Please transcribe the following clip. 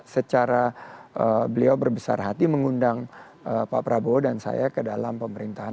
secara beliau berbesar hati mengundang pak prabowo dan saya ke dalam pemerintahan